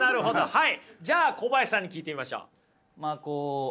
はい。